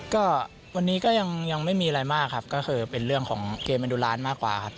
ก็วันนี้ก็ยังไม่มีอะไรมากครับก็คือเป็นเรื่องของเกมอนดูร้านมากกว่าครับ